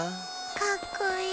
かっこいい！